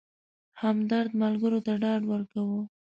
همدرد ملګرو ته ډاډ ورکاوه.